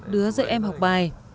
đứa dạy em học bài